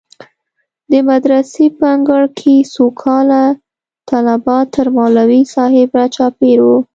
د مدرسې په انګړ کښې څو کسه طلبا تر مولوي صاحب راچاپېر وو.